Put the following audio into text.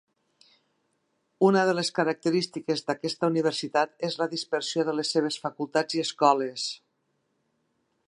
Una de les característiques d'aquesta universitat és la dispersió de les seves facultats i escoles.